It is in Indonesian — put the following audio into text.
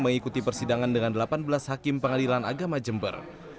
mengikuti persidangan dengan delapan belas hakim pengadilan agama jember